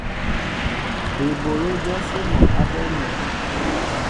Eɓoló jɔsí mol á ɓólnέ.